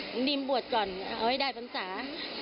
น้องดีมบวชก่อนเอาให้ได้ภรรษา